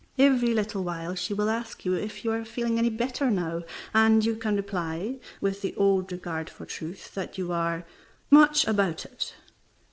Every little while she will ask you if you are feeling any better now, and you can reply, with the old regard for truth, that you are "much about it."